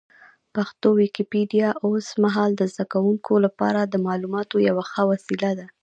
پښتو ويکيپېډيا اوس مهال د زده کوونکو لپاره د معلوماتو یوه ښه سرچینه ده.